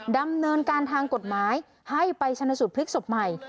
ดำเนินการทางกฎหมายให้ไปชนสูตรพลิกศพใหม่